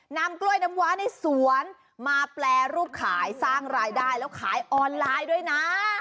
นำกล้วยน้ำว้าในสวนมาแปรรูปขายสร้างรายได้แล้วขายออนไลน์ด้วยนะ